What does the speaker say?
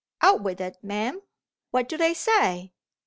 'Out with it, ma'am! what do they say?'